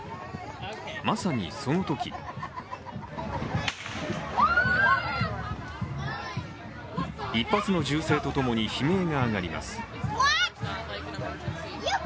まさにそのとき１発の銃声と共に悲鳴が上がります。